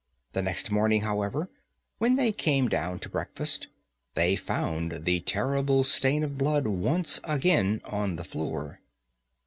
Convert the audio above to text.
The next morning, however, when they came down to breakfast, they found the terrible stain of blood once again on the floor.